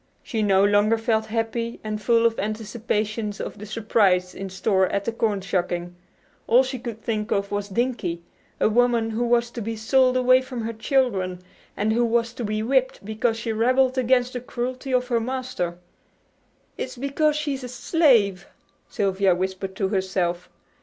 She no longer felt happy, and full of anticipations of the surprise in store at the corn shucking. All she could think of was "Dinkie," a woman who was to be sold away from her children, and who was to be whipped because she rebelled against the cruelty of her master. "It's because she's a slave," Sylvia whispered to herself.